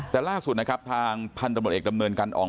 แต่ล่าสุดนะครับทางพันธบทเอกดำเนินการอ่อง